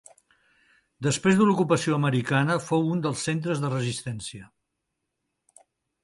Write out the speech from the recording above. Després de l'ocupació americana fou un dels centres de resistència.